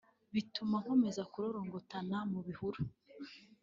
bituma nkomeza kurorongotana mu bihuru”